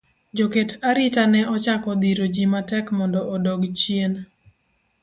Jo ket arita ne ochako dhiro ji matek mondo odog chien.